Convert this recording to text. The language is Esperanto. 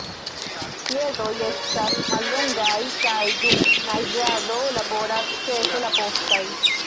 Piedoj estas mallongaj kaj dum naĝado laboras ĉefe la postaj.